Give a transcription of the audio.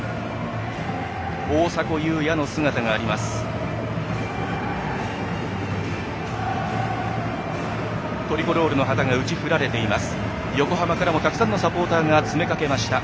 大迫勇也の姿がありました。